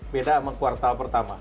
beda sama kuartal pertama